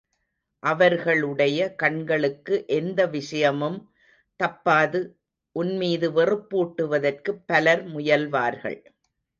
அவர்களுடைய கண்களுக்கு எந்த விஷயமும் தப்பாது, உன்மீது வெறுப்பூட்டுவதற்குப் பலர் முயல்வார்கள்.